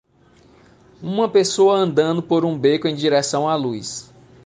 Uma pessoa andando por um beco em direção à luz.